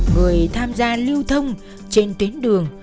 người tham gia lưu thông trên tuyến đường